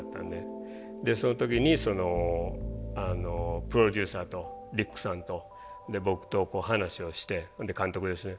その時にプロデューサーとリックさんと僕と話をしてそれで監督ですね。